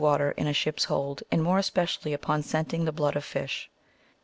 water in a ship's hold, and more especially upon scenting the blood of fish.